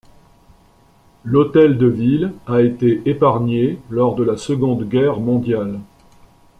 L'hôtel de ville a été épargné lors de la Seconde Guerre mondiale.